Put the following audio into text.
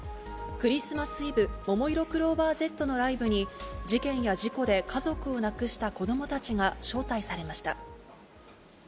クリスマスイブ、ももいろクローバーＺのライブに、事件や事故で家族を亡くした子どもたちが招待されました。